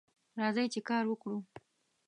راځئ چې کار وکړو